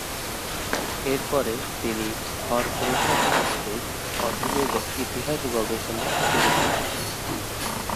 এরপরে তিনি হরপ্রসাদ শাস্ত্রীর অধীনে ইতিহাস গবেষণা শুরু করেন।